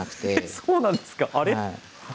そうなんですかあれっ。